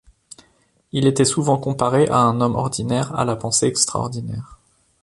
Il était souvent comparé à un homme ordinaire à la pensée extraordinaire.